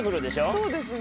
そうですね。